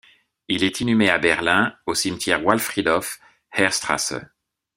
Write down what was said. Il est inhumé à Berlin, au cimetière Waldfriedhof Heerstrasse.